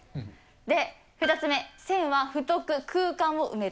で、２つ目、線は太く空間を埋める。